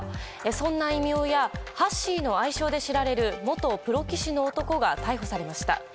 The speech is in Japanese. そんな異名やハッシーの愛称で知られる元プロ棋士の男が逮捕されました。